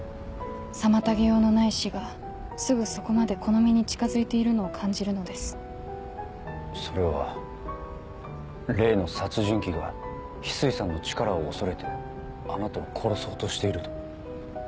妨げようのない死がすぐそこまでこの身に近づいているのを感じるのですそれは例の殺人鬼が翡翠さんの力を恐れてあなたを殺そうとしていると？